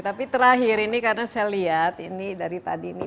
tapi terakhir ini karena saya lihat ini dari tadi ini